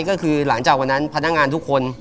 ก็คือหลังจากวันนั้นพนักงานทุกคน